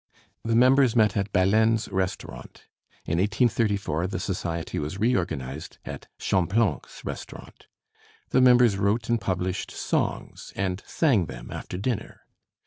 The members met at Balaine's restaurant. In 1834 the society was reorganized at Champlanc's restaurant. The members wrote and published songs and sang them after dinner.